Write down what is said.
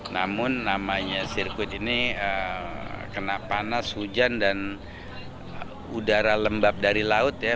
namun namanya sirkuit ini kena panas hujan dan udara lembab dari laut ya